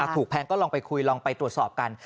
แพงก็ลองไปคุยลองไปตรวจสอบกัน